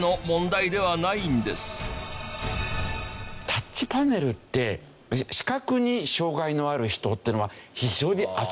タッチパネルって視覚に障害のある人っていうのは非常に扱いにくいですよね。